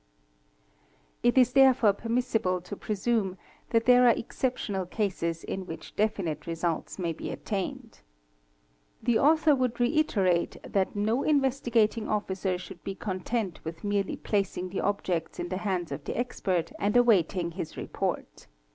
It is therefore permissible to presume that there are exceptiona cases in which definite results may be attained®®, The author would — TRACES OF BLOOD 191 reiterate that no Investigating Officer should be content with merely plac _ ing the objects in the hands of the expert and awaiting his report.